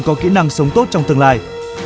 có kỹ năng sống tốt trong tương lai